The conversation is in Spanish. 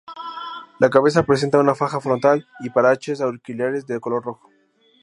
La cabeza presenta una faja frontal y parches auriculares de color rojo.